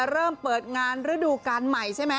เริ่มเปิดงานฤดูการใหม่ใช่ไหม